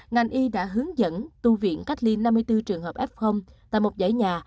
ngành y đã hướng dẫn tu viện cách ly năm mươi bốn trường hợp f tại một giải nhà